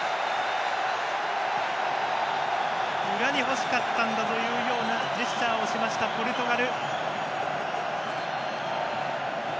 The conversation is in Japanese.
裏に欲しかったんだというようなジェスチャーをしましたポルトガル。